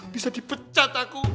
bisa dipecat aku